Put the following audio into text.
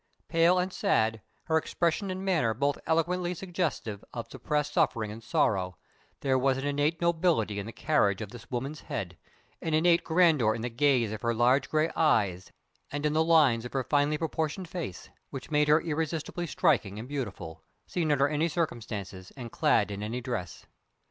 Pale and sad, her expression and manner both eloquently suggestive of suppressed suffering and sorrow, there was an innate nobility in the carriage of this woman's head, an innate grandeur in the gaze of her large gray eyes and in the lines of her finely proportioned face, which made her irresistibly striking and beautiful, seen under any circumstances and clad in any dress.